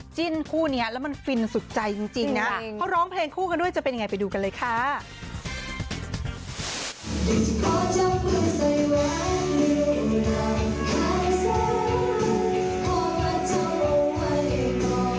จิ้นคู่นี้แล้วมันฟินสุดใจจริงนะเขาร้องเพลงคู่กันด้วยจะเป็นยังไงไปดูกันเลยค่ะ